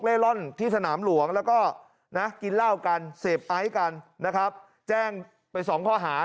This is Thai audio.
เล่ากันเซฟไอซ์กันนะครับแจ้งไปสองข้อหา